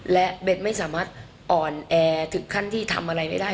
และเบ้นไม่สามารถอ่อนแอถึงขั้นที่ทำอะไรไม่ได้